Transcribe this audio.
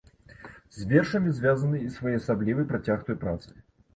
З вершамі звязаны і своеасаблівы працяг той працы.